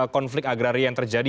konflik agraria yang terjadi